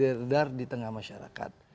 yang terdara di tengah masyarakat